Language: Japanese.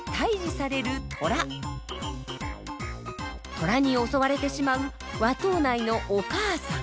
虎に襲われてしまう和藤内のお母さん。